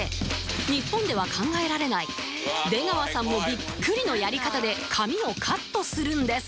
日本では考えられない出川さんもビックリのやり方で髪をカットするんです